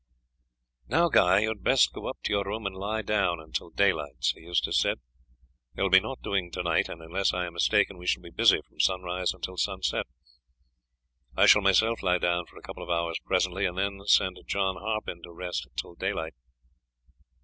"Now, Guy, you had best go up to your room and lie down until daylight," Sir Eustace said. "There will be naught doing to night, and unless I am mistaken, we shall be busy from sunrise till sunset. I shall myself lie down for a couple of hours presently, and then send John Harpen to rest till daylight.